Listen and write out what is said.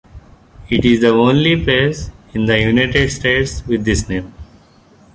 It is the only place in the United States with this name.